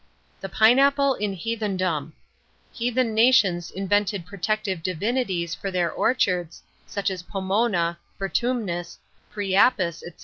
THE PINEAPPLE IN HEATHENDOM. Heathen nations invented protective divinities for their orchards (such as Pomona, Vertumnus, Priapus, &c.)